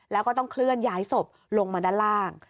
แล้วก็ต้องเคลื่อนย้ายศพลงมาด้านล่าง